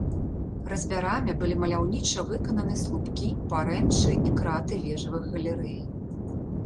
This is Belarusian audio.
Разьбярамі былі маляўніча выкананы слупкі, парэнчы і краты вежавых галерэй.